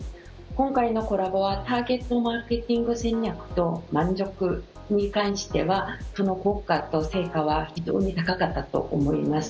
今回のコラボはターゲットマーケティング戦略に関してはその効果と成果は非常に高かったと思います。